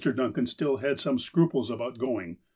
Duncan still had some scruples about going.